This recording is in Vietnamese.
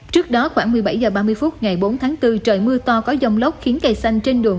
trước đó khoảng một mươi bảy h ba mươi phút ngày bốn tháng bốn trời mưa to có dông lốc khiến cây xanh trên đường